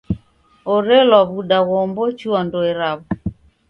Orelwa w'uda ghoombochua ndoe raw'o.